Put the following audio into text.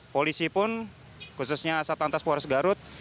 polisi pun khususnya satantas poharas garut